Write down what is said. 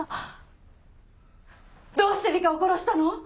どうして里香を殺したの！？